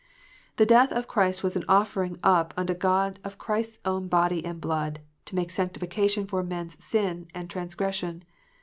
The death of Christ was an offering up unto God of Christ s own body and blood, to make satisfaction for man s sin and trans gression.